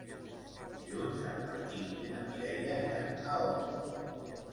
Dilluns en Martí i na Mireia iran a Òrrius.